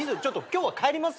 今日は帰ります。